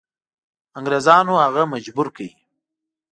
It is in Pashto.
انګریزانو هغه مجبور کړ.